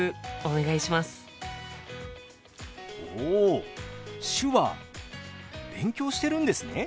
お手話勉強してるんですね。